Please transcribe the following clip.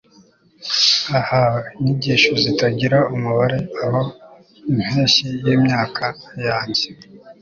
Ah Inyigisho zitagira umubare aho impeshyi yimyaka yanjye